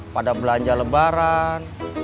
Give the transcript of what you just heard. pada belanja lebaran